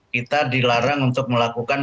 kita dilarang untuk melakukan